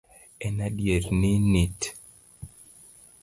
En adier ni nit